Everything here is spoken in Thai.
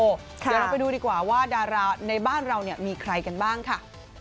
เดี๋ยวเราไปดูดีกว่าว่าดาราในบ้านเรามีใครกันบ้างค่ะ